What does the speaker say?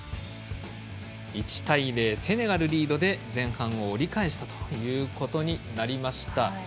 １対０セネガルリードで前半を折り返したということになりました。